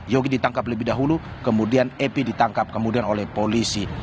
yogi ditangkap lebih dahulu kemudian epi ditangkap kemudian oleh polisi